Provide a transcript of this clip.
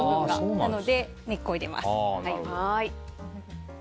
なので、根っこを入れます。